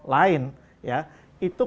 lain ya itu